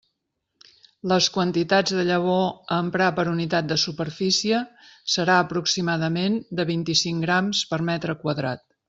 Les quantitats de llavor a emprar per unitat de superfície serà aproximadament de vint-i-cinc grams per metre quadrat.